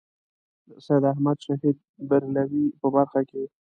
د سید احمد شهید برېلوي په برخه کې.